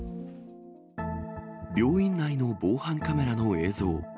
病院内の防犯カメラの映像。